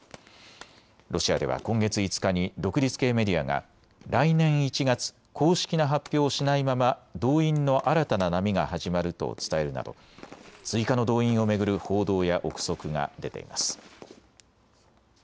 ロシアでは今月５日に独立系メディアが来年１月、公式な発表をしないまま動員の新たな波が始まると伝えるなど追加の動員を巡る報道や臆測が出ています。